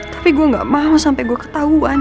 tapi gue gak mau sampai gue ketahuan